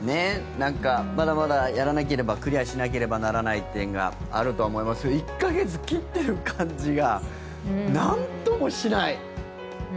なんか、まだまだやらければクリアしなければならない点があるとは思いますけど１か月切っている感じがなんともしない。